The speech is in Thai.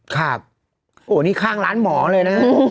ครับโอ้นี่ข้างร้านหมอเลยนะ